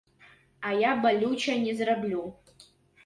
А я балюча не зраблю.